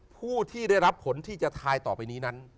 ผู้ที่ได้รับผลที่จะทายต่อไปนี้นั้น